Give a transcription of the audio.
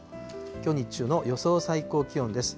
きょう日中の予想最高気温です。